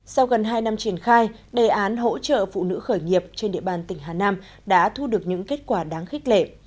sau gần hai năm triển khai đề án hỗ trợ phụ nữ khởi nghiệp trên địa bàn tỉnh hà nam đã thu được những kết quả đáng khích lệ